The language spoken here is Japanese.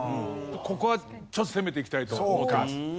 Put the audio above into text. ここはちょっと攻めていきたいと思ってます。